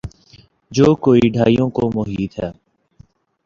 جو کئی دھائیوں کو محیط ہے۔